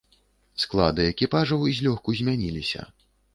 Склады экіпажаў злёгку змяніліся.